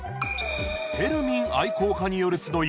テルミン愛好家による集い